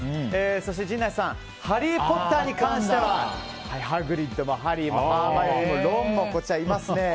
陣内さん「ハリー・ポッター」に関してはハグリッドもハリーもハーマイオニーもロンもいますね。